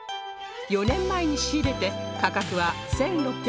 ４年前に仕入れて価格は１６５０円